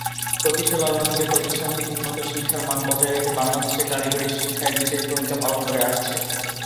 প্রতিষ্ঠালগ্ন থেকে প্রতিষ্ঠানটি উন্নত শিক্ষার মান বজায় রেখে বাংলাদেশের কারিগরী শিক্ষায় বিশেষ ভূমিকা পালন করে আসছে।